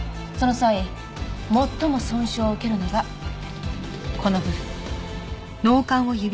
その際最も損傷を受けるのがこの部分。